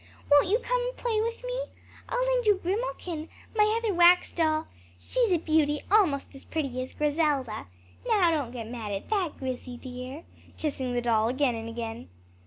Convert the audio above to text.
Won't you come and play with me? I'll lend you Grimalkin, my other wax doll. She's a beauty; almost as pretty as Griselda. Now don't get mad at that, Grissy, dear," kissing the doll again and again.